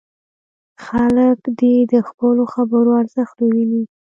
خلک دې د خپلو خبرو ارزښت وویني.